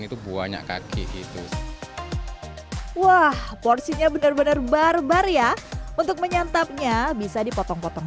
itu banyak kaki gitu wah porsinya benar benar barbar ya untuk menyantapnya bisa dipotong potong